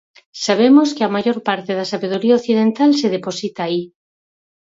Sabemos que a maior parte da sabedoría occidental se deposita aí.